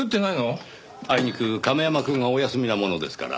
あいにく亀山くんがお休みなものですから。